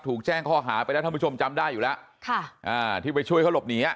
ถูกแจ้งข้อหาไปแล้วท่านผู้ชมจำได้อยู่แล้วค่ะอ่าที่ไปช่วยเขาหลบหนีอ่ะ